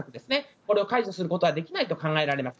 これを解除することはできないと考えられます。